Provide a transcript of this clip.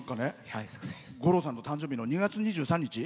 五郎さんの誕生日の２月２３日。